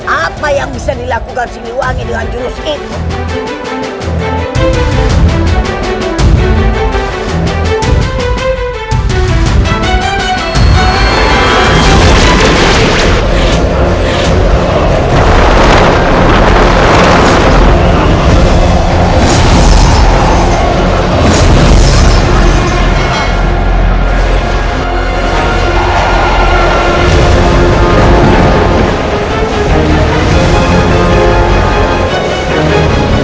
apa yang bisa dilakukan si luangin dengan jurus ini